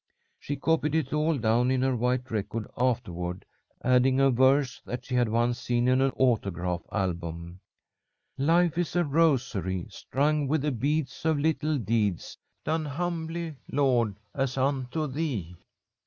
She copied it all down in her white record afterward, adding a verse that she had once seen in an autograph album: "Life is a rosary Strung with the beads of little deeds, Done humbly, Lord, as unto thee."